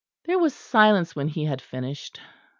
There was silence when he had finished.